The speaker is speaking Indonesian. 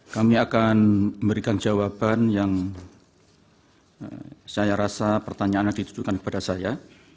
kami akan memberikan jawaban yang saya rasa pertanyaannya ditujukan kepada saya